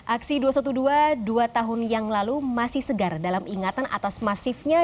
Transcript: aksi dua ratus dua belas dua tahun yang lalu masih segar dalam ingatan atas masifnya